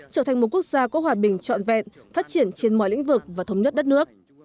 trở thành một quốc gia có hòa bình trọn vẹn phát triển trên mọi lĩnh vực và thống nhất đất nước